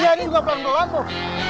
iya ini juga pelan pelan tuh